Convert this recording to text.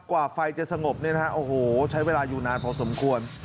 กว่าไฟจะสงบเนี่ยนะฮะโอ้โหใช้เวลาอยู่นานพอสมควร